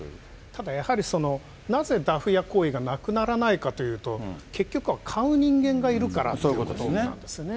ただ、やはりその、なぜダフ屋行為がなくならないかというと、結局は買う人間がいるからですね。